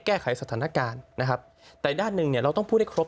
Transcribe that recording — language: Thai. แก้ไขสถานการณ์แต่ด้านหนึ่งเราต้องพูดได้ครบ